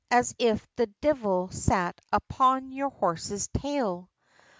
as if the divil sat upon your horse's tail!"